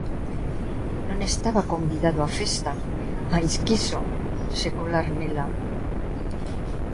Non estaba convidado a festa mais quixo se colar nela.